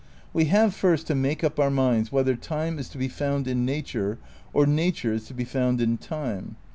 "We have first to make up our minds whether time is to be found in nature or nature is to be found in time.